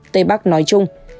tây bắc nói chung